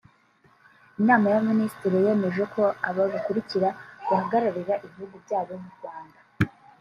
Inama y’Abaminisitiri yemeje ko aba bakurikira bahagararira Ibihugu byabo mu Rwanda